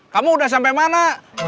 kamu udah sampai mana